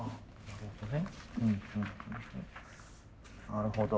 なるほど。